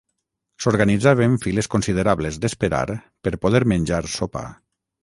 S'organitzaven files considerables d'esperar per poder menjar sopa.